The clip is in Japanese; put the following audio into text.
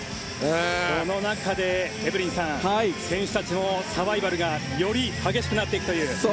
その中でエブリンさん選手たちのサバイバルがより激しくなっていくという。